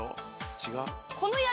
違う？